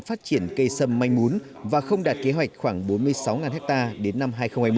phát triển cây sâm manh mún và không đạt kế hoạch khoảng bốn mươi sáu ha đến năm hai nghìn hai mươi